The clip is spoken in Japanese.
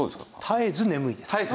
絶えず眠いです。